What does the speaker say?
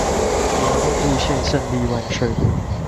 革命路線勝利萬歲